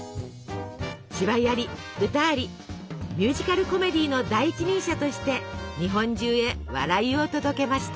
芝居あり歌ありミュージカルコメディーの第一人者として日本中へ笑いを届けました。